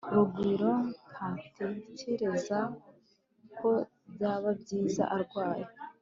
rugwiro ntatekereza ko byaba byiza arwaye